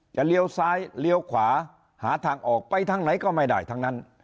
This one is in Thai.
เลี้ยวซ้ายเลี้ยวขวาหาทางออกไปทางไหนก็ไม่ได้ทั้งนั้น